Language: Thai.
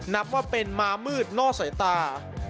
นับว่าเป็นมามืดนอกสายตา